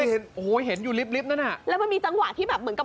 เห็นโอ้โหเห็นอยู่ลิฟลิฟต์นั้นอ่ะแล้วมันมีจังหวะที่แบบเหมือนกับ